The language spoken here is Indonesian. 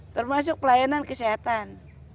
termasuk pelayanan kesehatan